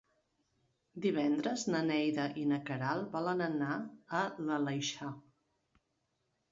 Divendres na Neida i na Queralt volen anar a l'Aleixar.